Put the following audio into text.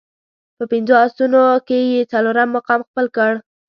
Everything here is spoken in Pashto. په پنځو اسونو کې یې څلورم مقام خپل کړ.